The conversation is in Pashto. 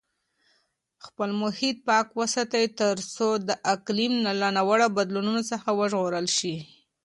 خپل محیط پاک وساتئ ترڅو د اقلیم له ناوړه بدلونونو څخه وژغورل شئ.